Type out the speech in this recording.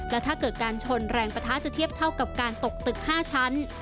และถ้าเกิดการชนแรงประทะจะเทียบเท่ากับการตกตึก๕ชั้น